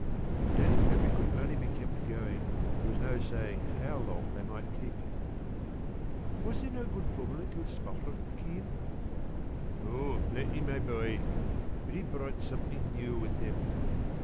If Daddy's memory could only be kept going there was no saying how long they might keep him. "Was there no good bowler until Spofforth came?" "Oh, plenty, my boy. But he brought something new with him.